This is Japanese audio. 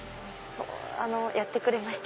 あのやってくれました。